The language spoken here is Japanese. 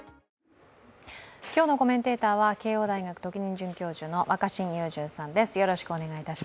今日のコメンテーターは、慶応大学特任准教授の若新雄純さんです。